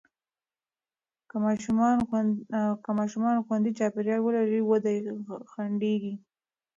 که ماشومان خوندي چاپېریال ولري، وده یې نه ځنډېږي.